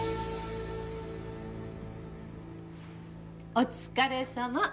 お疲れさま。